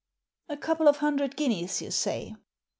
"A couple of hundred guineas, you say?"